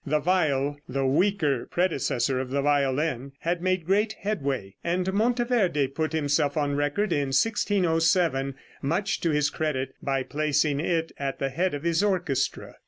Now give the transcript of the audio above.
The viol, the weaker predecessor of the violin, had made great headway, and Monteverde put himself on record in 1607, much to his credit, by placing it at the head of his orchestra.